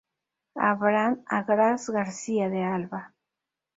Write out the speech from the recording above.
Abraham Agraz García de Alba